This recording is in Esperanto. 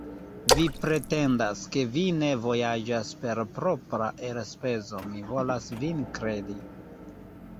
Vi pretendas, ke vi ne vojaĝas per propra elspezo; mi volas vin kredi.